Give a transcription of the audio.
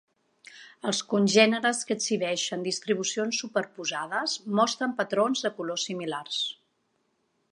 Els congèneres que exhibeixen distribucions superposades mostren patrons de color similars.